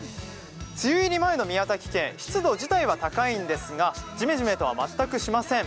梅雨入り前の宮崎県、湿度自体は高いんですがジメジメとは全くしません。